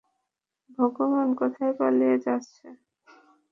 ভগবান কোথায় পালিয়ে যাচ্ছে।